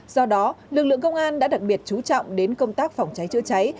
do đó lực lượng công an đã đặc biệt chú trọng đến công tác phòng cháy chữa cháy